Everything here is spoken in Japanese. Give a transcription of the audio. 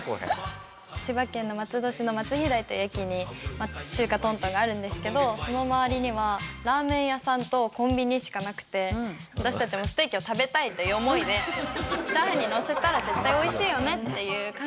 千葉県の松戸市の松飛台という駅に中華東東があるんですけどその周りにはラーメン屋さんとコンビニしかなくて私たちのステーキを食べたいという思いでチャーハンにのせたら絶対美味しいよねっていう感じで。